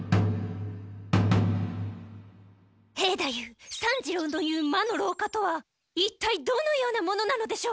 兵太夫三治郎の言う魔の廊下とはいったいどのようなものなのでしょうか？